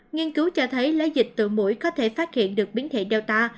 nghiên cứu cho thấy lấy dịch từ mũi có thể phát hiện được biến thể data